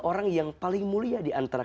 orang yang paling mulia diantara